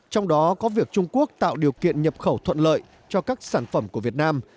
trong đó có việc trung quốc tạo điều kiện nhập khẩu thuận lợi cho các sản phẩm của việt nam